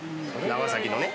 長崎のね。